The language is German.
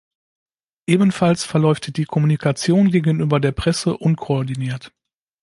Ebenfalls verläuft die Kommunikation gegenüber der Presse unkoordiniert.